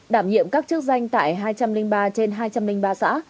đảm nhiệm các chức danh tại hai trăm linh ba trên hai trăm linh ba xã